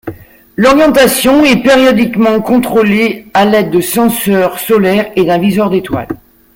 L'orientation est périodiquement contrôlée à l'aide de senseurs solaires et d'un viseur d'étoiles.